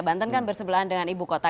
banten kan bersebelahan dengan ibu kota